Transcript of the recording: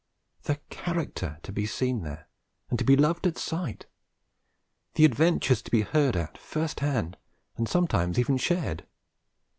The character to be seen there, and to be loved at sight! The adventures to be heard at first hand, and sometimes even shared!